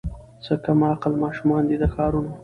څه کم عقل ماشومان دي د ښارونو